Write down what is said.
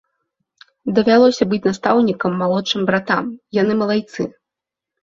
Давялося быць настаўнікам малодшым братам, яны малайцы!